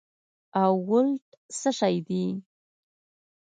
او ولټ څه شي دي